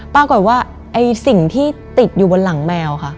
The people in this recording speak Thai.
ปรากฏว่าไอ้สิ่งที่ติดอยู่บนหลังแมวค่ะ